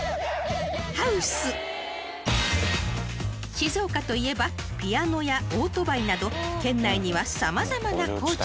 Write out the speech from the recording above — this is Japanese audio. ［静岡といえばピアノやオートバイなど県内には様々な工場が］